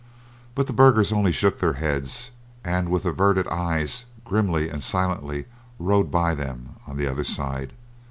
But the burghers only shook their heads and with averted eyes grimly and silently rode by them on the other side.